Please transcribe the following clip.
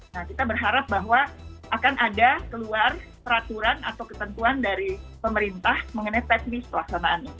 nah kita berharap bahwa akan ada keluar peraturan atau ketentuan dari pemerintah mengenai teknis pelaksanaan ini